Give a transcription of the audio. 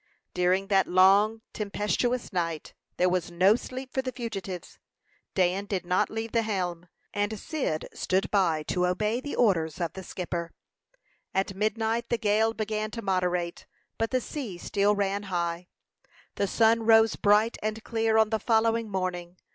During that long, tempestuous night, there was no sleep for the fugitives. Dan did not leave the helm, and Cyd stood by to obey the orders of the skipper. At midnight the gale began to moderate, but the sea still ran high. The sun rose bright and clear on the following morning.